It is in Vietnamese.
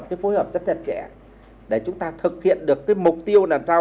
cái phối hợp rất chặt chẽ để chúng ta thực hiện được cái mục tiêu làm sao